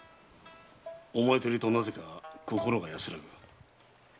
お前といるとなぜか心が安らぐ。